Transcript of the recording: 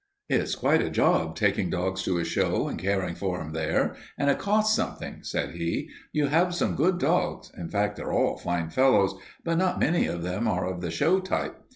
"It's quite a job, taking dogs to a show and caring for them there, and it costs something," said he. "You have some good dogs in fact, they're all fine fellows but not many of them are of the show type.